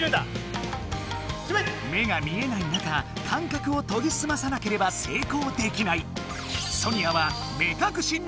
目が見えない中感覚をとぎすまさなければ成功できない。